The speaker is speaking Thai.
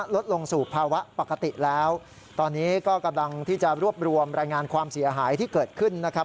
ลดลงสู่ภาวะปกติแล้วตอนนี้ก็กำลังที่จะรวบรวมรายงานความเสียหายที่เกิดขึ้นนะครับ